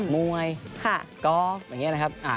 เมื่อกลับผู้หมวยลูกกอฟ